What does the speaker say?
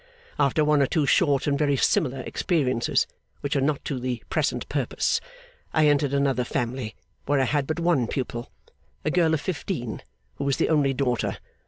After one or two short and very similar experiences, which are not to the present purpose, I entered another family where I had but one pupil: a girl of fifteen, who was the only daughter.